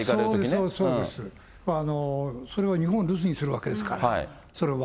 そうそう、それは日本を留守にするわけですから、それは。